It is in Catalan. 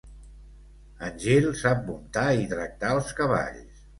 En Jill sap muntar i tractar els cavalls.